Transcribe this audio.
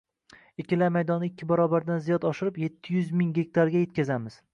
ekinlar maydonini ikki barobardan ziyod oshirib, yetti yuz ming gektarga yetkazamiz.